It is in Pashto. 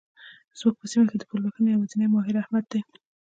زموږ په سیمه کې د پلوهنې يوازنی ماهر؛ احمد دی.